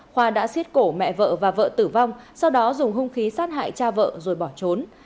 khoa đã xiết cổ mẹ vợ và vợ tử vong sau đó dùng hung khí sát hại cha vợ rồi bỏ trốn